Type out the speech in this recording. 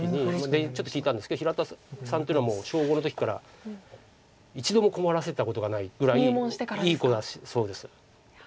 ちょっと聞いたんですけど平田さんっていうのはもう小５の時から一度も困らせたことがないぐらいいい子だそうです。